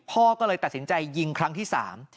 พ่อก็เลยตัดสินใจยิงครั้งที่สาม